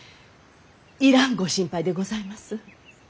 いらんご心配でございます。